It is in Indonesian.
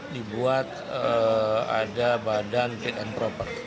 dibuat ada badan fit and proper